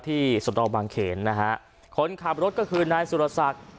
ที่สนองบางเขนนะฮะคนขับรถก็คือนายสุรสัตว์